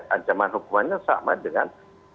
ancaman hukumannya sama dengan